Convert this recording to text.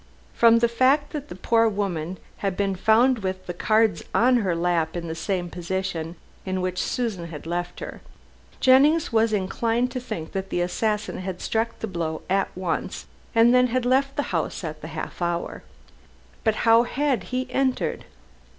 From the fact that the poor woman had been found with the cards on her lap in the same position in which Susan had left her, Jennings was inclined to think that the assassin had struck the blow at once, and then had left the house at the half hour. But how had he entered?